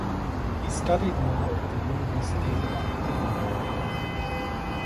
He studied law at the University of Edinburgh.